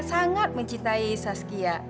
aditya sangat mencintai saskia saya ini ibunya aditya